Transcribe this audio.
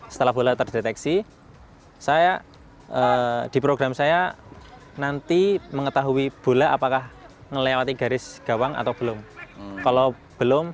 setelah bola terdeteksi saya di program saya nanti mengetahui bola apakah melewati garis gawang atau belum